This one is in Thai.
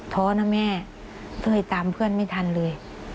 ท้อนะแม่เต้ยตามเพื่อนไม่ทันเลย